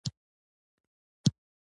اشتها لري.